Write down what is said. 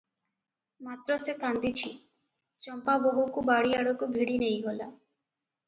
ମାତ୍ର ସେ କାନ୍ଦିଛି ।ଚମ୍ପା ବୋହୂକୁ ବାଡିଆଡକୁ ଭିଡ଼ି ନେଇଗଲା ।